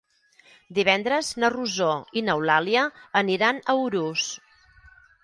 Divendres na Rosó i n'Eulàlia aniran a Urús.